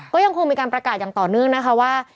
ก็ยังคงมีการประกาศอย่างต่อเนื่องนะคะว่า